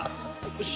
よし。